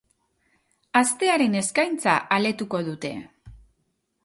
Astearen eskaintza aletuko dute.